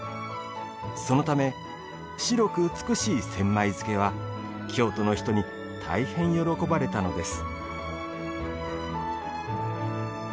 そのため、白く美しい千枚漬は京都の人に大変喜ばれたのです。